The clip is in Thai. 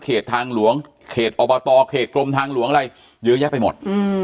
ทางหลวงเขตอบตเขตกรมทางหลวงอะไรเยอะแยะไปหมด